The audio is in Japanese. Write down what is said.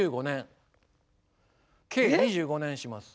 計２５年します。